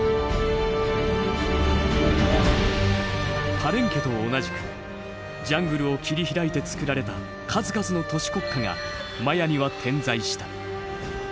パレンケと同じくジャングルを切り開いてつくられた数々の都市国家がマヤには点在した。